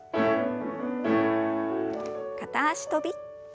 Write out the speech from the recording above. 片脚跳び。